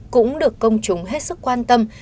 cũng được công chúng hết sức quan tâm